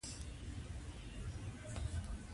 تاسو د ټولنیز منزلت څخه بې برخې کیږئ.